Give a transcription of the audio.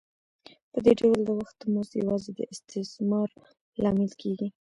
په دې ډول د وخت مزد یوازې د استثمار لامل کېږي